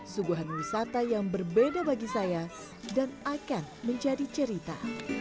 suguhan wisata yang berbeda bagi saya dan akan menjadi cerita